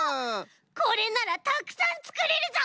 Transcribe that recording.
これならたくさんつくれるぞ！